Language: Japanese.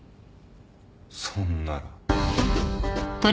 そんなら。